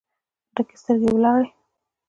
ډکې سترګې ولاړې